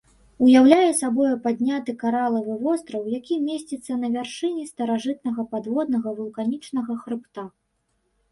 Уяўляе сабою падняты каралавы востраў, які месціцца на вяршыні старажытнага падводнага вулканічнага хрыбта.